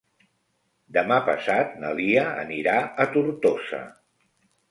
Demà passat na Lia anirà a Tortosa.